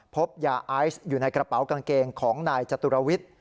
พบยาไอซ์อยู่ในกระเป๋ากางเกงของนายจตุรวิทย์